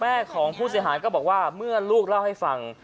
ของผู้เสียหายก็บอกว่าเมื่อลูกเล่าให้ฟัง